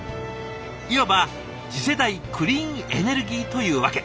いわば次世代クリーンエネルギーというわけ。